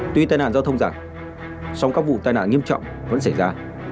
tuy tai nạn giao thông giảm song các vụ tai nạn nghiêm trọng vẫn xảy ra